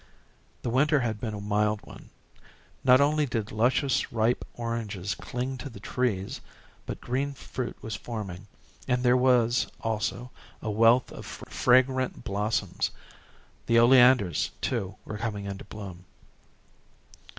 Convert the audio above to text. The winter had been a mild one. Not only did luscious ripe oranges cling to the trees, but green fruit was forming, and there was, also, a wealth of fragrant blossoms. The oleanders, too, were coming into bloom.